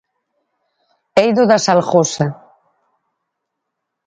Eido da Salgosa.